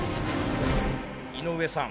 井上さん